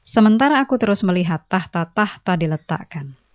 sementara aku terus melihat tahta tahta diletakkan